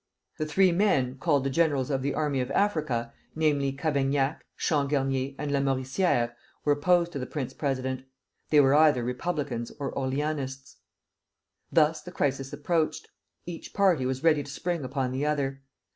The three men called the generals of the Army of Africa, namely, Cavaignac, Changarnier, and Lamoricière, were opposed to the prince president. They were either Republicans or Orleanists. Thus the crisis approached. Each party was ready to spring upon the other.